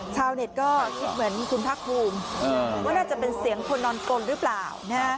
ชาวเน็ตก็คิดเหมือนคุณภาคภูมิว่าน่าจะเป็นเสียงคนนอนกลหรือเปล่า